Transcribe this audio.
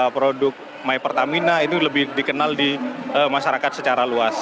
produk my pertamina itu lebih dikenal di masyarakat secara luas